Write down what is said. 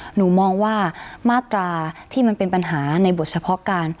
หนูมองว่ามาตราที่มันเป็นปัญหาในบทเฉพาะการ